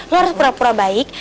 lo harus pura pura baik